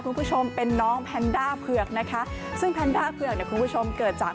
คุณผู้ชมเป็นน้องแพนด้าเผือกนะคะซึ่งแพนด้าเผือกเนี่ยคุณผู้ชมเกิดจาก